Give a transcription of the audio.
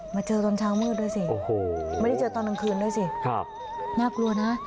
เจอตอนเช้ามืดด้วยสิโอ้โหไม่ได้เจอตอนกลางคืนด้วยสิน่ากลัวนะ